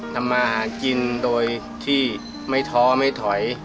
ทำมาหากินโดยที่ไม่ท้อไม่ถอย